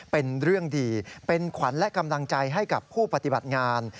เป็นเรื่องดีเป็นขวัญและกำลังใจให้กับผู้ปฏิบัติงาน